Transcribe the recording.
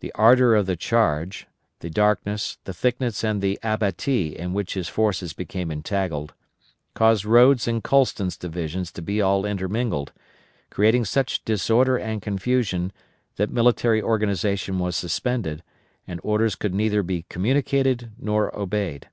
The ardor of the charge, the darkness, the thickets and the abattis in which his forces became entangled, caused Rodes' and Colston's divisions to be all intermingled, creating such disorder and confusion that military organization was suspended, and orders could neither be communicated nor obeyed.